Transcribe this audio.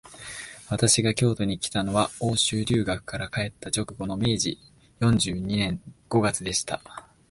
私が京都にきたのは、欧州留学から帰った直後の明治四十二年五月でした